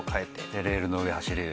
でレールの上走れる。